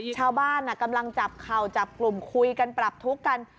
กำลังจับเข่าจับกลุ่มคุยกันปรับทุกข์กัน